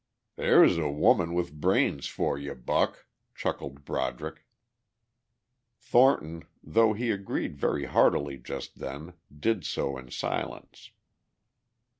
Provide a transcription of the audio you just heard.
"There's a woman with brains for you, Buck," chuckled Broderick. Thornton, though he agreed very heartily just then, did so in silence.